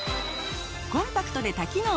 コンパクトで多機能！